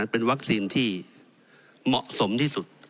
เป็นวัคซีนที่เหมาะสมที่สุด